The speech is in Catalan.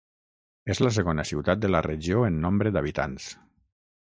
És la segona ciutat de la regió en nombre d'habitants.